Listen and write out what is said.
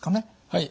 はい。